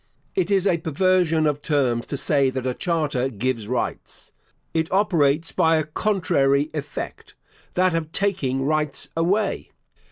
It is a perversion of terms to say that a charter gives rights. It operates by a contrary effect that of taking rights away.